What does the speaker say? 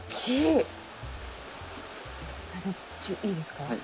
いいですか？